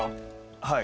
はい。